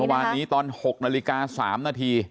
เมื่อวานนี้ตอนหกนาฬิกาสามนาที